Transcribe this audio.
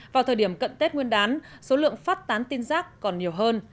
vào thời điểm cận tết nguyên đán số lượng phát tán tin rác còn nhiều hơn